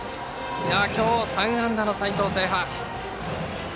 今日３安打の齊藤聖覇。